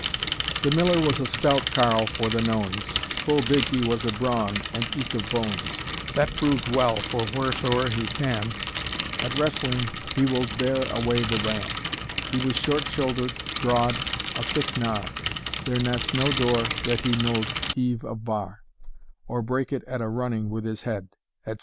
The miller was a stout carl for the nones, Full big he was of brawn, and eke of bones; That proved well, for wheresoe'r he cam, At wrestling he wold bear away the ram; He was short shoulder'd, broad, a thick gnar; There n'as no door that he n'old heave of bar, Or break it at a running with his head, &c.